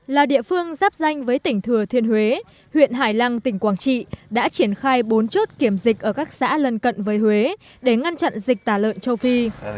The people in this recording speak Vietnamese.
là địa phương giáp danh với tỉnh thừa thiên huế huyện hải lăng tỉnh quảng trị đã triển khai bốn chốt kiểm dịch ở các xã lân cận với huế để ngăn chặn dịch tả lợn châu phi